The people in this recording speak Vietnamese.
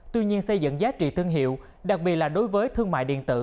tuy nhiên xây dựng giá trị thương hiệu đặc biệt là đối với thương mại điện tử